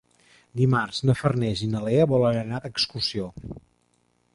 Dimarts na Farners i na Lea volen anar d'excursió.